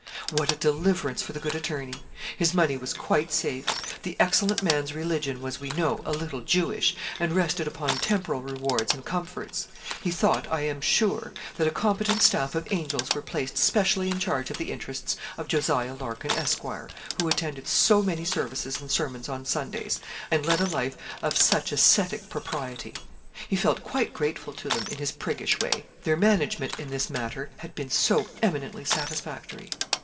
What a deliverance for the good attorney. His money was quite safe. The excellent man's religion was, we know, a little Jewish, and rested upon temporal rewards and comforts. He thought, I am sure, that a competent staff of angels were placed specially in charge of the interests of Jos. Larkin, Esq., who attended so many services and sermons on Sundays, and led a life of such ascetic propriety. He felt quite grateful to them, in his priggish way their management in this matter had been so eminently satisfactory.